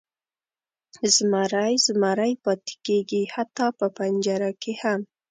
زمری زمری پاتې کیږي، حتی په پنجره کې هم.